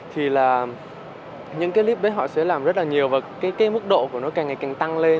thì là những cái clip đấy họ sẽ làm rất là nhiều và cái mức độ của nó càng ngày càng tăng lên